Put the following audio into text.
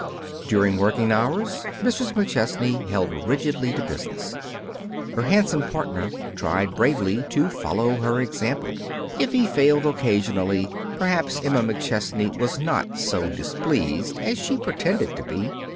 During working hours, Mrs. McChesney held rigidly to business. Her handsome partner tried bravely to follow her example. If he failed occasionally, perhaps Emma McChesney was not so displeased as she pretended to be.